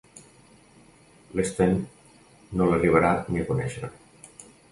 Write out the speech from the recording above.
L'Sten no l'arribarà ni a conèixer.